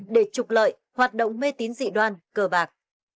để trục lợi hoạt động mê tín dị đoan cờ bạc